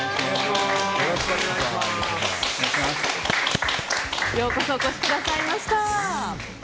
ようこそお越しくださいました。